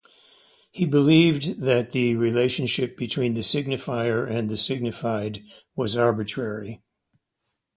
He believed that the relationship between the signifier and the signified was arbitrary.